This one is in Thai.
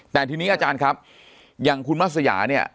แต่ทีนี้อาจารย์ครับอย่างคุณมัศยาเนี่ย